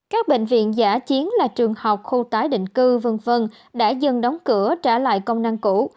các bệnh viện giả chiến là trường học khu tái định cư v v đã dần đóng cửa trả lại công năng cũ